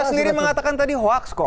anda sendiri mengatakan tadi hoax kok